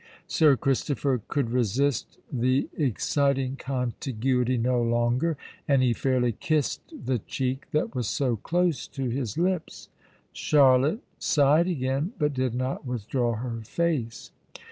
Sir Christopher could resist the exciting contiguity no longer; and he fairly kissed the cheek that was so close to his lips. Charlotte sighed again, but did not withdraw her face.